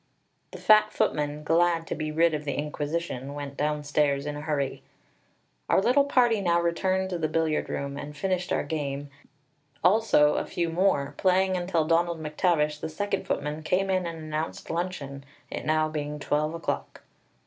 The fat footman, glad to be rid of the inquisition, went downstairs in a hurry. Our little party now returned to the billiard room and finished our game, also a few more, playing until Donald MacTavish, the second footman, came in and announced luncheon, it now being twelve o'clock.